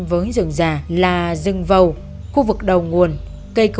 khu vực đó là rừng vầu khu vực đó là rừng vầu khu vực đó là rừng vầu khu vực đó là rừng vầu